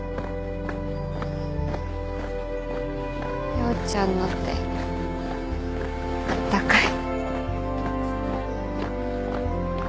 陽ちゃんの手あったかい。